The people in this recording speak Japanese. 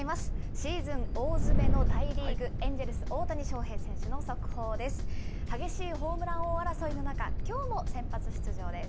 シーズン大詰めの大リーグ・エンジェルス、大谷選手の速報です。